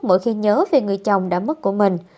mỗi khi nhớ về người chồng đã mất của mình